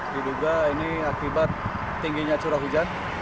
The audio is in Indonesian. diduga ini akibat tingginya curah hujan